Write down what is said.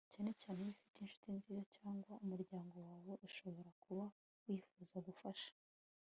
cyane cyane iyo ufite inshuti nziza cyangwa umuryango wawe ushobora kuba wifuza gufasha